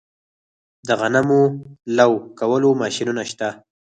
د غنمو لو کولو ماشینونه شته